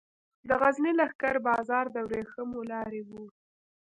د غزني لښکر بازار د ورېښمو لارې و